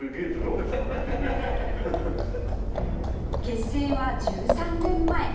結成は１３年前